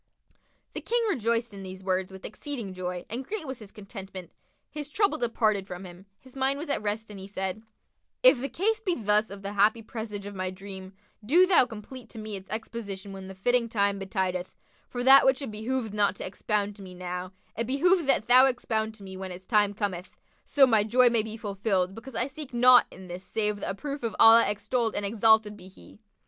The King rejoiced in these words with exceeding joy and great was his contentment; his trouble departed from him, his mind was at rest and he said, "If the case be thus of the happy presage of my dream, do thou complete to me its exposition when the fitting time betideth: for that which it behoveth not to expound to me now, it behoveth that thou expound to me when its time cometh, so my joy may be fulfilled, because I seek naught in this save the approof of Allah extolled and exalted be He!"